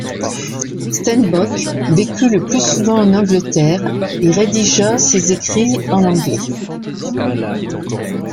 Stenbock vécut le plus souvent en Angleterre, et rédigea ses écrits en anglais.